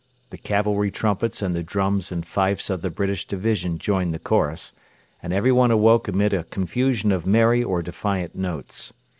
The cavalry trumpets and the drums and fifes of the British division joined the chorus, and everyone awoke amid a confusion of merry or defiant notes.